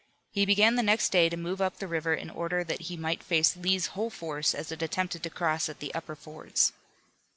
He began the next day to move up the river in order that he might face Lee's whole force as it attempted to cross at the upper fords.